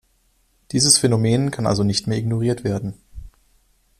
Dieses Phänomen kann also nicht mehr ignoriert werden.